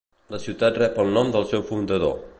La ciutat rep el nom del seu fundador.